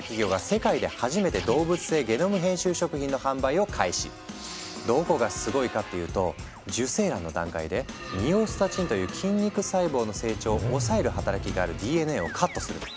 中でも私たちに身近なのがどこがすごいかっていうと受精卵の段階で「ミオスタチン」という筋肉細胞の成長を抑える働きがあるＤＮＡをカットするの。